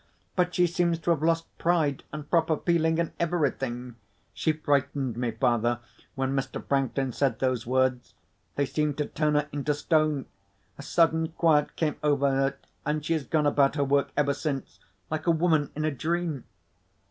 But she seems to have lost pride, and proper feeling, and everything. She frightened me, father, when Mr. Franklin said those words. They seemed to turn her into stone. A sudden quiet came over her, and she has gone about her work, ever since, like a woman in a dream."